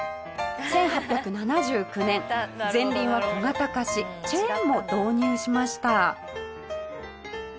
１８７９年前輪は小型化しチェーンも導入しました。